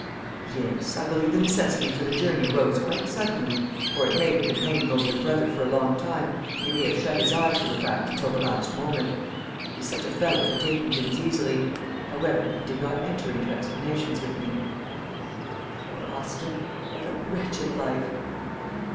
"Yes. I believe the necessity for the journey arose quite suddenly; or it may have been hanging over your brother for a long time, and he may have shut his eyes to the fact until the last moment. He is such a fellow for taking things easily. However, he did not enter into explanations with me." "Poor Austin! What a wretched life!"